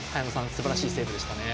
すばらしいセーブでしたね。